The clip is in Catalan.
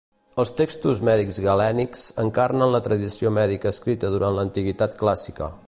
Els textos mèdics galènics encarnen la tradició mèdica escrita durant l'antiguitat clàssica.